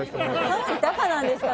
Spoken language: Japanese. ３割高なんですか！？